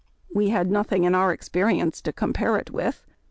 We had nothing in our experience to compare it with.